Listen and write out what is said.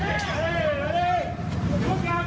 เฮ้ยเฮ้ยเฮ้ย